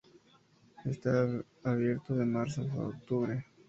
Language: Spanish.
Está abierto de marzo a octubre.